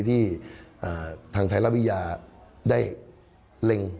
ที่ทางไทยรัฐวิทยาได้เล็ง